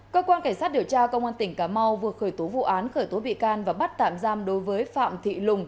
cơ quan cảnh sát điều tra công an tỉnh cà mau vừa khởi tố vụ án khởi tố bị can và bắt tạm giam đối với phạm thị lùng